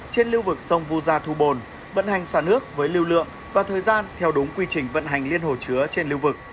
trên lưu vực sông vu gia thu bồn vận hành xả nước với lưu lượng và thời gian theo đúng quy trình vận hành liên hồ chứa trên lưu vực